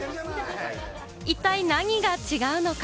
一体、何が違うのか？